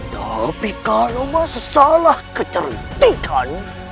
tapi kalau masalah kecerdikan